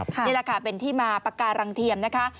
นี่แหละค่ะเป็นที่มาปากการังเทียมนะคะ